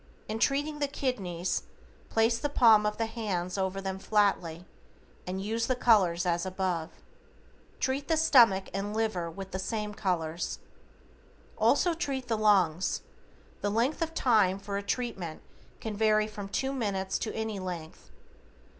In treating the kidneys, place the palm of the hands over them flatly, and use the colors as above. TREAT THE STOMACH AND LIVER WITH THE SAME COLORS Also treat the LUNGS. The length of time for a treatment can vary from 2 minutes to any length.